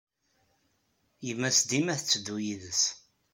Yemma-s dima tetteddu yid-s.